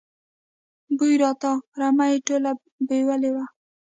بوی راته، رمه یې ټوله بېولې وه.